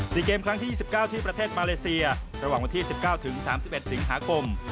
สี่เกมครั้งที่ยี่สิบเก้าที่ประเทศมาเลเซียระหว่างวันที่สิบเก้าถึงสามสิบเอ็ดสิงหาคม